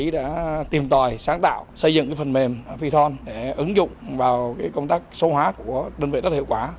đã tìm tòi sáng tạo xây dựng phần mềm phi thon để ứng dụng vào công tác số hóa của đơn vị rất hiệu quả